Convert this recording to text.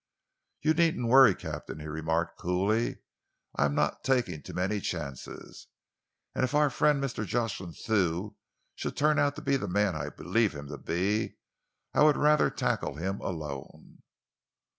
"You needn't worry, Captain," he remarked coolly. "I am not taking too many chances, and if our friend Mr. Jocelyn Thew should turn out to be the man I believe him to be, I would rather tackle him alone."